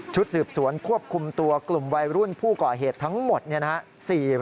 ชุดสืบสวนควบคุมตัวกลุ่มวัยรุ่นผู้ก่อเหตุทั้งหมดนี่นะครับ